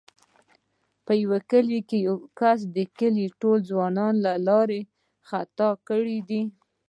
په کلي کې یوه کس د کلي ټوله ځوانان له لارې خطا کړي دي.